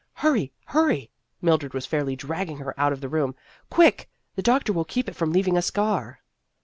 " Hurry ! Hurry !" Mildred was fairly dragging her out of the room. " Quick ! The doctor will keep it from leaving a scar."